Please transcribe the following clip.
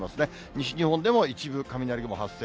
西日本でも一部、雷雲発生。